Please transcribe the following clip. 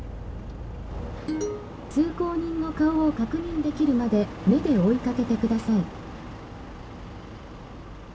「通行人の顔を確認できるまで目で追いかけてください」。